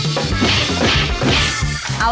อันนี้ก็จะใช้เวลาเท่ากัน๓๐นาทีก็เสร็จแล้ว